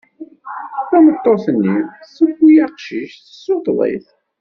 Tameṭṭut-nni tewwi aqcic, tessuṭṭeḍ-it.